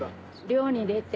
漁に出て。